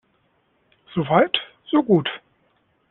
So weit, so gut.